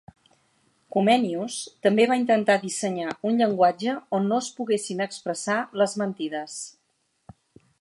Comenius també va intentar dissenyar un llenguatge on no es poguessin expressar les mentides.